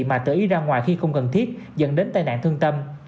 mà tự ý ra ngoài khi không cần thiết dẫn đến tai nạn thương tâm